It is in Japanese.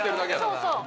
そうそう。